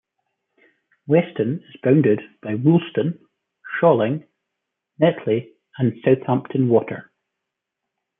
Weston is bounded by Woolston, Sholing, Netley and Southampton Water.